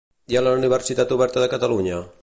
I a la Universitat Oberta de Catalunya?